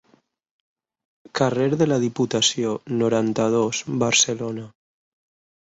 Carrer de la Diputació, noranta-dos, Barcelona.